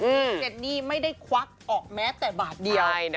เจนนี่ไม่ได้ควักออกแม้แต่บาทเดียว